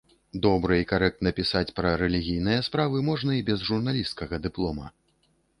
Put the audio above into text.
Добра і карэктна пісаць пра рэлігійныя справы можна і без журналісцкага дыплома.